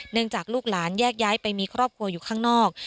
จากลูกหลานแยกย้ายไปมีครอบครัวอยู่ข้างนอก